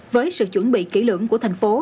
với sự chuẩn bị kỹ lưỡng của thành phố